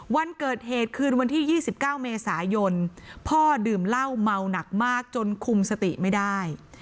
วันเกิดเหตุคืนวันที่๒๙เมษายนพ่อดื่มเหล้าเมาหนักมากจนคุมสติไม่ได้